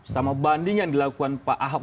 sama banding yang dilakukan pak ahok